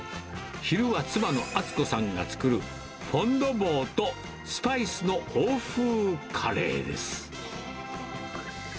昼は妻の厚子さんが作るフォンドヴォーとスパイスの欧風カレーです。